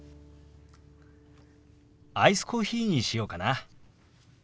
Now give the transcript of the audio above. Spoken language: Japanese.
アイスコーヒーにしようかな。